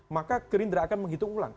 maka gerindra akan menghitung ulang